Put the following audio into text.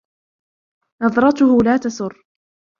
نظْرتُهُ لا تسُرّ.